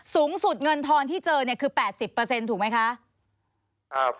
สูงสุดเงินทอนที่เจอเนี่ยคือ๘๐ถูกไหมคะ